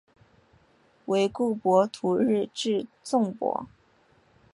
惟故博徒日至纵博。